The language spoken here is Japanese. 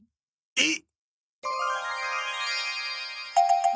えっ？